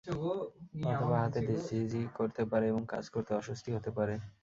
অথবা হাতে ঝিঁঝি ধরতে পারে এবং কাজ করতে অস্বস্তি হতে পারে।